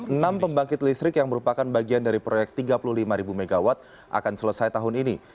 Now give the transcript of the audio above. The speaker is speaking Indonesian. enam pembangkit listrik yang merupakan bagian dari proyek tiga puluh lima mw akan selesai tahun ini